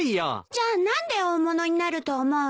じゃあ何で大物になると思うの？